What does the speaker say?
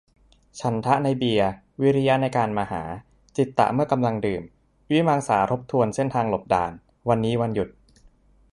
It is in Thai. ฉันทะ-ในเบียร์ วิริยะ-ในการหามา จิตตะ-เมื่อกำลังดื่ม วิมังสา-ทบทวนเส้นทางหลบด่าน วันนี้วันหยุด